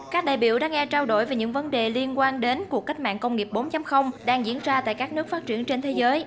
các đại biểu đã nghe trao đổi về những vấn đề liên quan đến cuộc cách mạng công nghiệp bốn đang diễn ra tại các nước phát triển trên thế giới